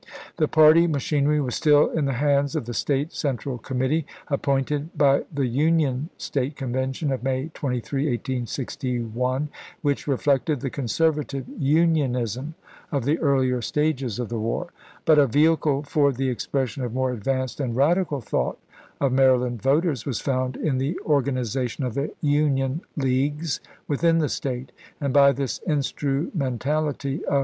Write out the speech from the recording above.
The party machinery was still in the hands of the State Central Committee, appointed by the Union State Convention of May 23, 1861, which reflected the conservative Unionism of the earlier stages of the war. But a vehicle for the expression of more 458 ABRAHAM LINCOLN CHAP. XIX. advanced and radical thought of Maryland voters was found in the organization of the Union Leagues Am^S" within the State; and by this instrumentality a "^Tses!